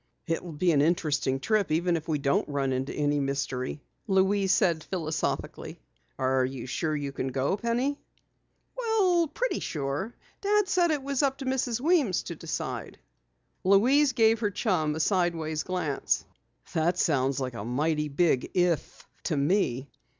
"It will be an interesting trip even if we don't run into any mystery," Louise said philosophically. "Are you sure you can go, Penny?" "Well, pretty sure. Dad said it was up to Mrs. Weems to decide." Louise gave her chum a sideways glance. "That seems like a mighty big 'if' to me."